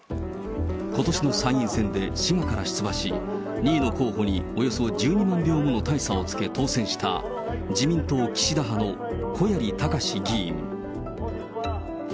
ことしの参院選で滋賀から出馬し、２位の候補におよそ１２万票もの差をつけて当選した自民党岸田派の小鑓隆史議員。